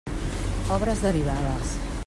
Obres derivades.